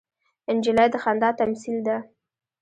نجلۍ د خندا تمثیل ده.